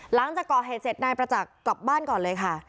หลังจากก่อเหตุเสร็จนายประจักษ์กลับบ้านก่อนเลยค่ะ